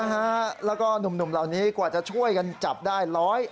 แล้วก็หนุ่มเหล่านี้กว่าจะช่วยกันจับได้